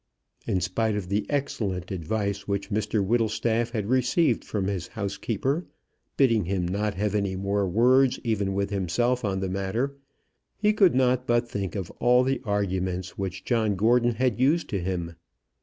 In spite of the excellent advice which Mr Whittlestaff had received from his housekeeper, bidding him not have any more words even with himself on the matter, he could not but think of all the arguments which John Gordon had used to him.